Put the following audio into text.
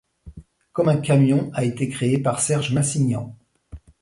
Comme un camion a été créé par Serge Massignan.